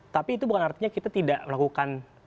tapi itu bukan artinya kita tidak melakukan